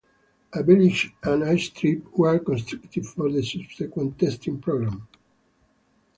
A village and airstrip were constructed for the subsequent testing program.